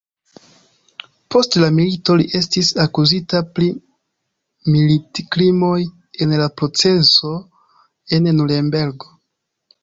Post la milito li estis akuzita pri militkrimoj en la proceso en Nurenbergo.